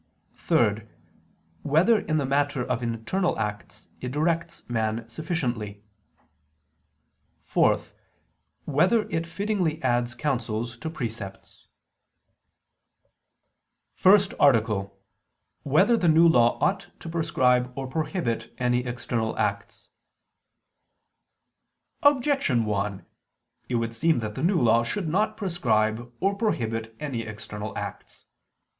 (3) Whether in the matter of internal acts it directs man sufficiently? (4) Whether it fittingly adds counsels to precepts? ________________________ FIRST ARTICLE [I II, Q. 108, Art. 1] Whether the New Law Ought to Prescribe or Prohibit Any External Acts? Objection 1: It would seem that the New Law should not prescribe or prohibit any external acts.